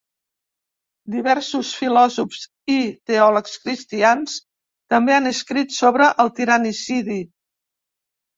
Diversos filòsofs i teòlegs cristians també han escrit sobre el tiranicidi.